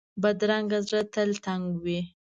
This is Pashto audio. بدرنګه زړه تل تنګ وي